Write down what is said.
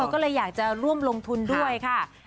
ก็เลยอยากจะร่วมลงทุนด้วยค่ะ